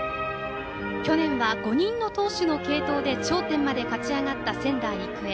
去年は５人の投手の継投で頂点まで勝ち上がった仙台育英。